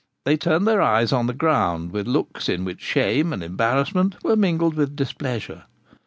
They turned their eyes on the ground, with looks in which shame and embarrassment were mingled with displeasure.